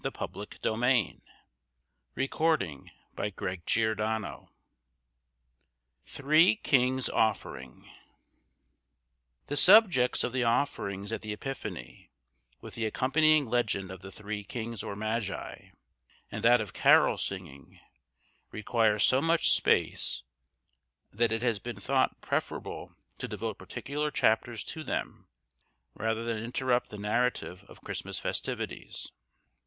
Feeling this, can he dare to be evil?" CHAPTER IX. THE subjects of the offerings at the Epiphany, with the accompanying legend of the Three Kings or Magi, and that of carol singing, require so much space that it has been thought preferable to devote particular chapters to them, rather than interrupt the narrative of Christmas festivities.